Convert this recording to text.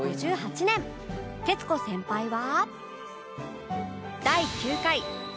徹子先輩は